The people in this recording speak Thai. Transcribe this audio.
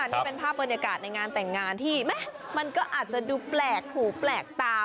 นี่เป็นภาพบรรยากาศในงานแต่งงานที่มันก็อาจจะดูแปลกหูแปลกตา